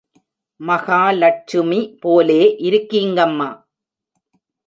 மகாலட்சுமி போலே இருக்கீங்கம்மா!